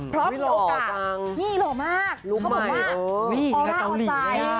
เพราะมีโอกาสนี่หล่อมากเขาบอกว่าออร่าออไซค์